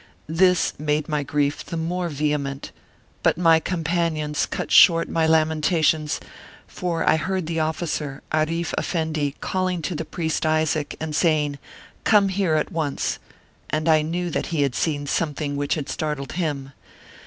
This made my grief the more vehement, but my companions cut short my lamentations, for I heard the officer, Aarif Effendi, calling to the priest Isaac, and saying, " Come here at once," and I knew that he had seen something which had startled him.